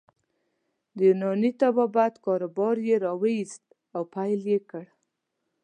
د یوناني طبابت کاروبار يې راویست او پیل یې کړ.